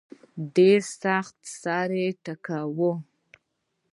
ډېر سخت سر ټکاوه.